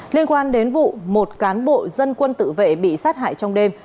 liên quan đến vụ một cán bộ dân quân tự vệ bị sát hại trong đêm